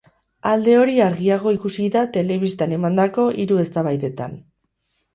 Alde hori argiago ikusi da da telebistan emandako hiru eztabaidetan.